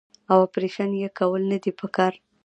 او اپرېشن ئې کول نۀ دي پکار -